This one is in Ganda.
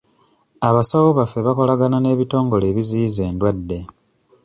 Abasawo baffe bakolagana n'ebitongole ebiziyiza endwadde.